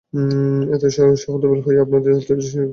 এতে সে হতবিহ্বল হয়ে আপন অন্তদৃষ্টি ও দৃষ্টিশক্তি হারিয়ে ফেলল।